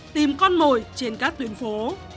tìm con mồi trên các tuyến phố